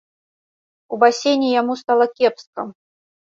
У басейне яму стала кепска.